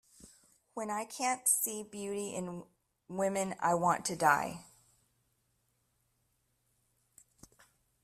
When I can't see beauty in woman I want to die.